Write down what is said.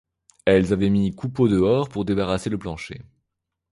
Elles avaient mis Coupeau dehors pour débarrasser le plancher.